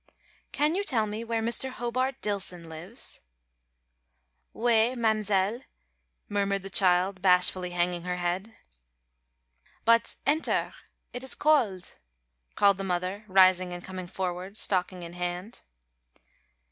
"Can you tell me where Mr. Hobart Dillson lives?" "Ou ay, ma'mzelle," murmured the child, bashfully hanging her head. "But enter it is cold," called the mother, rising and coming forward, stocking in hand.